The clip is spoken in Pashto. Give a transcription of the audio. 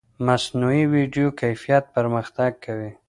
مصنوعي ویډیو کیفیت پرمختګ کوي.